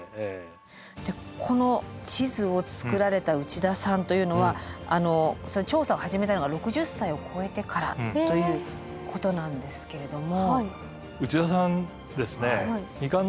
でこの地図を作られた内田さんというのは調査を始めたのが６０歳を超えてからということなんですけれども。